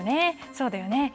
そうだよね。